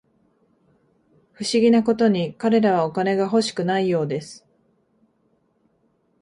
不思議なことに、彼らはお金が欲しくないようです